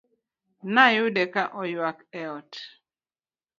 Nayude ka oywak e ot